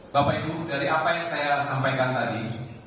bapak ibu dari apa yang saya sampaikan tadi